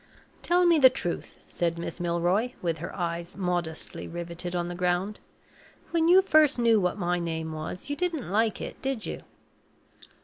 "Tell me the truth," said Miss Milroy, with her eyes modestly riveted on the ground. "When you first knew what my name was, you didn't like it, did you?"